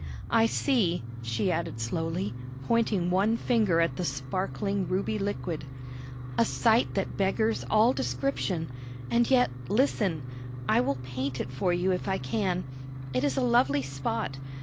I see," she added slowly, pointing one finger at the sparkling ruby liquid, "a sight that beggars all description; and yet, listen! I will paint it for you, if I can. It is a lovely spot.